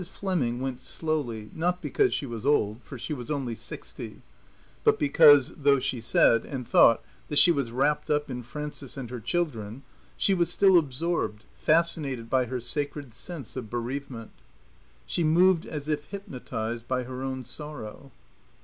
Fleming went slowly, not because she was old, for she was only sixty, but because, though she said, and thought, that she was wrapped up in Frances and her children, she was still absorbed, fascinated by her sacred sense of bereavement. She moved as if hypnotized by her own sorrow.